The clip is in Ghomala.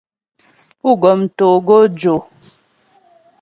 Pú gɔm togojò.